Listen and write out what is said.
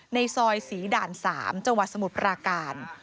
ในซอยศรีด่าน๓จังหวัดสมุทรปราการ